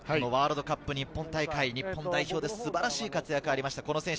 ワールドカップ日本大会、日本代表で素晴らしい活躍がありました。